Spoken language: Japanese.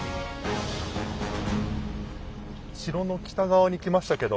城の北側に来ましたけど。